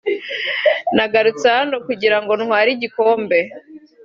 nagarutse hano kugira ngo ntware igikombe